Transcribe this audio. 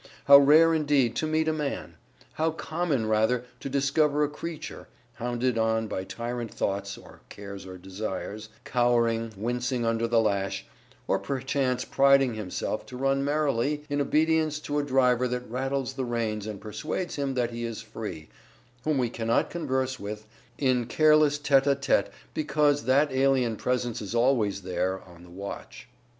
How rare indeed to meet a man! How common rather to discover a creature hounded on by tyrant thoughts (or cares or desires), cowering, wincing under the lash or perchance priding himself to run merrily in obedience to a driver that rattles the reins and persuades him that he is free whom we cannot converse with in careless tete a tete because that alien presence is always there, on the watch.